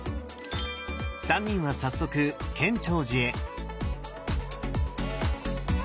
３人は早速建長寺へ。